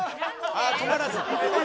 「ああ止まらず」